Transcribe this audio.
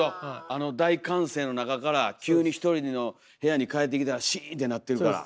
あの大歓声の中から急に１人の部屋に帰ってきたらシーンってなってるから。